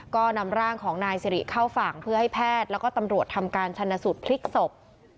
ก็นำร่างของนายสิริเข้าฝั่งเพื่อให้แพทย์แล้วก็ตำรวจทำการชนสูตรพลิกศพ